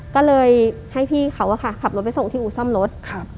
ก็เลยให้พี่เขาขับรถไปส่งที่อู่ซ่อมรถ